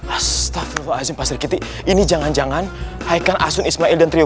astagfirullahalazim mas rikyli ini jangan jangan haikan asun ismail dan trio